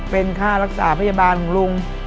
เป็นค่ารักษาพยาบาลของลุง